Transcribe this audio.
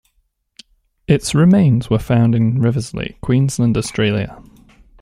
Its remains were found in Riversleigh, Queensland, Australia.